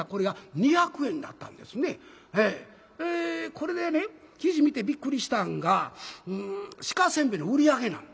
これでね記事見てびっくりしたんが鹿煎餅の売り上げなん。